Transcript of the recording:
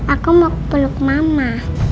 aku mau peluk mama